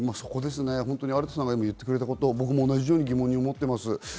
有田さんが今言ってくれたこと、僕も同じように疑問に思ってます。